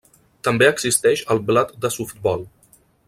També existeix el bat de softbol.